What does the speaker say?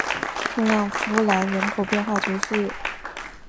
圣让夫兰人口变化图示